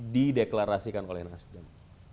dideklarasikan oleh nasdem